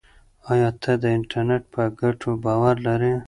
ایا ته د انټرنیټ په ګټو باور لرې؟